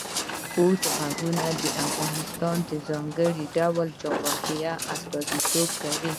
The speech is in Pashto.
اوږده غرونه د افغانستان د ځانګړي ډول جغرافیه استازیتوب کوي.